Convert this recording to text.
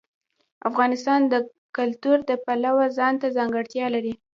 افغانستان د کلتور د پلوه ځانته ځانګړتیا لري.